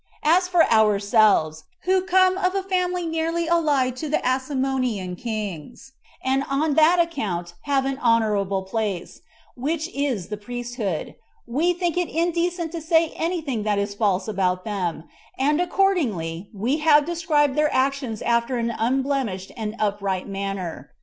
As for ourselves, who come of a family nearly allied to the Asamonean kings, and on that account have an honorable place, which is the priesthood, we think it indecent to say any thing that is false about them, and accordingly we have described their actions after an unblemished and upright manner.